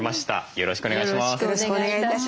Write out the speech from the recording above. よろしくお願いします。